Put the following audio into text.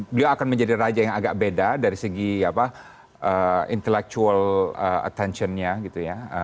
beliau akan menjadi raja yang agak beda dari segi intellectual attention nya gitu ya